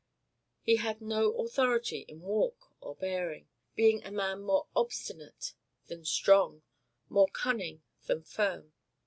He had no authority in walk or bearing, being a man more obstinate than strong, more cunning than firm.